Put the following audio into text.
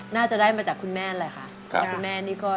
หน้าจะได้มาจากคุณแม่แหล่ะค่ะ